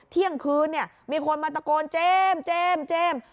เที่ยงคืนเนี่ยมีคนมาตะโกนเจมส์เจมส์เจมส์